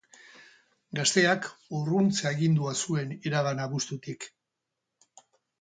Gazteak urruntze-agindua zuen iragan abuztutik.